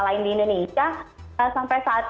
lain di indonesia sampai saat